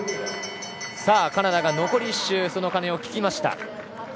カナダが残り１周その鐘を聞きました。